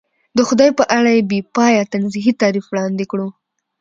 د خدای په اړه بې پایه تنزیهي تعریف وړاندې کړو.